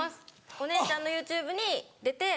お姉ちゃんのＹｏｕＴｕｂｅに出て。